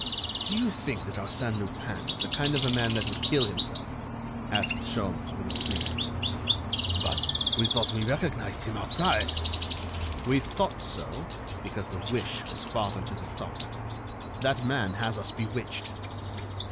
"Do you think that Arsène Lupin is the kind of a man that would kill himself?" asked Sholmes, with a sneer. "But we thought we recognized him outside." "We thought so, because the wish was father to the thought. That man has us bewitched."